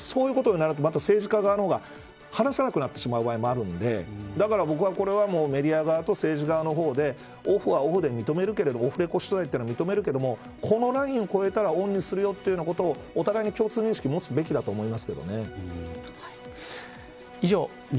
ただ、そういうことになると政治家側の方が話さなくなってしまう場合もあるんでだから、僕はメディア側と政治側の方でオフはオフで認めるけれどオフレコ取材は認めるけどこのラインを越えたらオンにするよということをお互いに共通認識を持つべきだと思います。